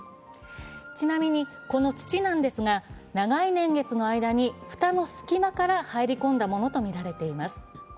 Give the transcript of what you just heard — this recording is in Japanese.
ちなみにこの土なんですが長い年月の間に蓋の隙間から入り込んだものとみられています。